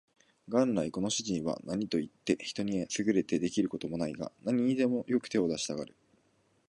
元来この主人は何といって人に優れて出来る事もないが、何にでもよく手を出したがる